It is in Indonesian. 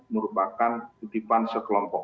merupakan titipan sekelompok